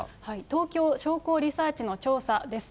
東京商工リサーチの調査です。